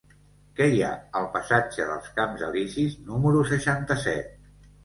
Què hi ha al passatge dels Camps Elisis número seixanta-set?